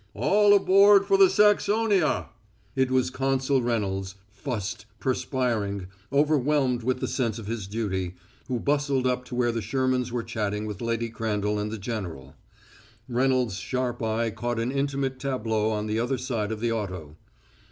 "All aboard for the Saxonia!" It was Consul Reynolds, fussed, perspiring, overwhelmed with the sense of his duty, who bustled up to where the Shermans were chatting with Lady Crandall and the general. Reynolds' sharp eye caught an intimate tableau on the other side of the auto.